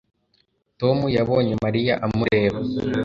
Tom yabonye Mariya amureba